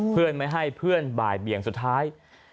เพื่อนไม่ให้เพื่อนบ่ายเบี่ยงสุดท้าย